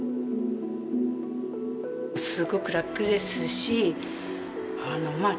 すごく楽ですしまあ